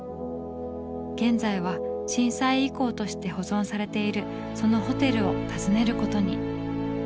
現在は震災遺構として保存されているそのホテルを訪ねることに。